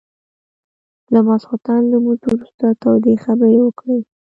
له ماخستن لمونځ وروسته تودې خبرې وکړې.